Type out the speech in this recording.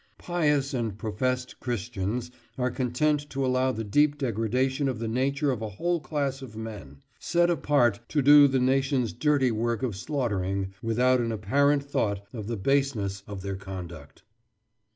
Pious and professed Christians are content to allow the deep degradation of the nature of a whole class of men, set apart to do the nation's dirty work of slaughtering, without an apparent thought of the baseness of their conduct."